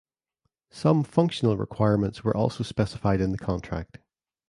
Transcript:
Some functional requirements were also specified in the contract.